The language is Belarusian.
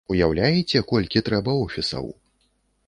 Уяўляеце, колькі трэба офісаў?!